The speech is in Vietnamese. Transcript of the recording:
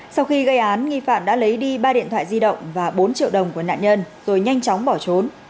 sau khi gây án nghi phạm đã lấy đi ba điện thoại di động và bốn triệu đồng của nạn nhân rồi nhanh chóng bỏ trốn